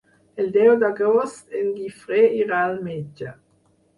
El deu d'agost en Guifré irà al metge.